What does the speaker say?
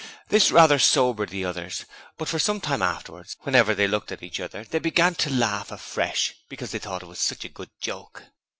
This rather sobered the others, but for some time afterwards whenever they looked at each other they began to laugh afresh because they thought it was such a good joke.